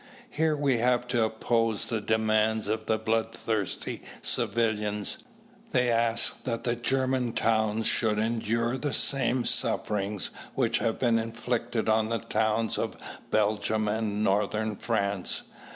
Here we have to oppose the demands of the bloodthirsty civilians. They ask that German towns should endure the same sufferings which have been inflicted on the towns of Belgium and Northern France.